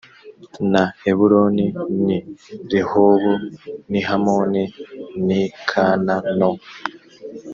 na eburoni n i rehobu n i hamoni n i kana no